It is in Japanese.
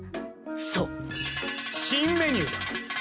そう新メニューだ！